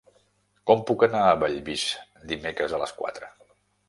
Com puc anar a Bellvís dimecres a les quatre?